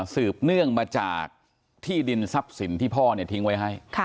เนื่องมาจากที่ดินทรัพย์สินที่พ่อทิ้งไว้ให้